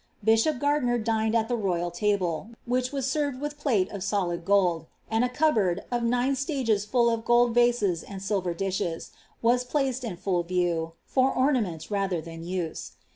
Bishop Ganlini>r dinetl U the royal table, which was served with plole of solid gold ; and ■ cupboard, of nine stages full of gold rases and silver dishes, wax placed full in view, for ornament rather than use.